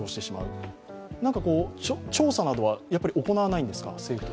政府として調査などは行わないんですか？